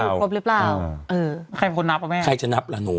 คือครบหรือเปล่าเออให้เขานับอ่ะแม่ใครจะนับล่ะหนู